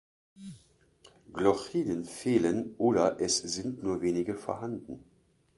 Glochiden fehlen oder es sind nur wenige vorhanden.